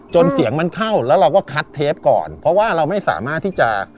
เสียงมันเข้าแล้วเราก็คัดเทปก่อนเพราะว่าเราไม่สามารถที่จะ